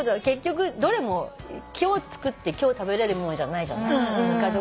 結局どれも今日作って今日食べれるものじゃないじゃない？